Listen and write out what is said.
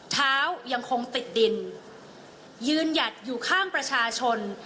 เท้ายังคงติดดินยืนหยัดอยู่ข้างประชาชน